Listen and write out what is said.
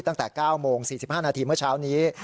ตั้งแต่๙โมง๔๕นาทีเมื่อเช้านี้